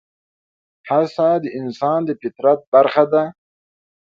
هڅه د انسان د فطرت برخه ده.